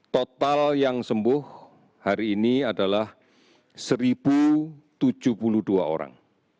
total yang sembuh hari ini adalah satu tujuh puluh dua orang